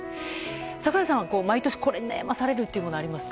櫻井さんは毎年これに悩まされるというものありますか？